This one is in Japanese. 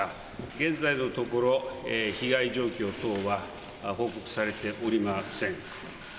現在のところ、被害状況等は報告されておりません。